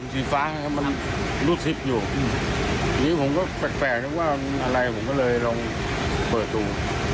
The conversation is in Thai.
สีฟ้ามันรูดชิบอยู่อืมอย่างงี้ผมก็แปลกแปลกนึกว่าอะไรผมก็เลยลองเปิดดู